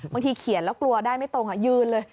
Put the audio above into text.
เขียนแล้วกลัวได้ไม่ตรงยืนเลย